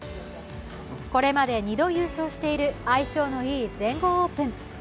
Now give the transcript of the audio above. これまで２度優勝している相性のいい全豪オープン。